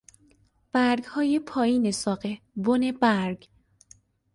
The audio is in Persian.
برگهای پایین ساقه، بنبرگ